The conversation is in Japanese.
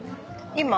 今？